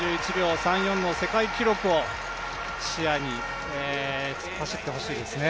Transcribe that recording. ２１秒３４の世界記録を視野に突っ走ってほしいですね。